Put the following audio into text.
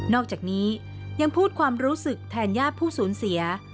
อกจากนี้ยังพูดความรู้สึกแทนญาติผู้สูญเสีย